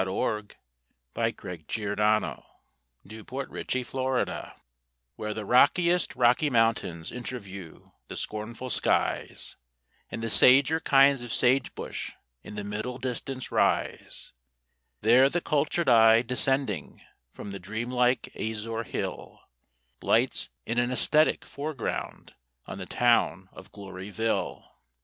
L A Y S O F T H E L A N D THE RISE AND FALL OF GLORYVILLE Where the rockiest Rocky Mountains interview the scornful skies, And the sager kinds of sage bush in the middle distance rise, There the cultured eye descending from the dreamlike azure hill, Lights in an æsthetic foreground on the town of Gloryville.